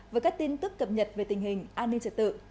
với các tin tức cập nhật về tình hình an ninh trật tự